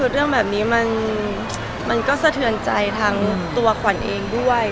เรื่องแบบนี้มันก็สะเทือนใจทั้งตัวขวัญเองด้วย